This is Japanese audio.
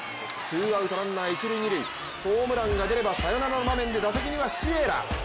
ツーアウトランナー一塁・二塁ホームランが出ればサヨナラの場面でシエラ。